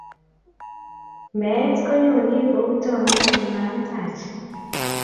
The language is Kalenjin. Meet ko nyoni kou tondet ne makitaach.